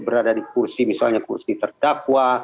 berada di kursi misalnya kursi terdakwa